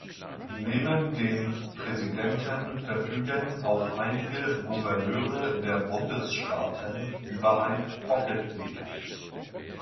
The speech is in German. Neben dem Präsidenten verfügen auch einige Gouverneure der Bundesstaaten über ein "Pocket Veto.